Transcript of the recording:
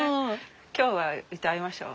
今日は歌いましょう。